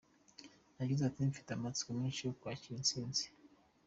Yagize ati, “Mfite amatsiko menshi yo kwakira intsinzi”.